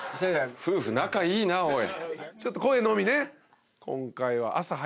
夫婦仲いいなおい。